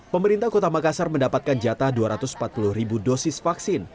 pemerintah kota makassar mendapatkan jatah dua ratus empat puluh ribu dosis vaksin